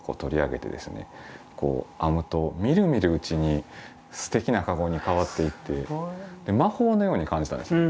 こう編むとみるみるうちにすてきな籠に変わっていって魔法のように感じたんですね。